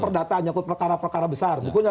perdata nyokot perkara perkara besar bukannya